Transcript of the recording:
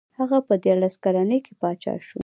هغه په دیارلس کلنۍ کې پاچا شو.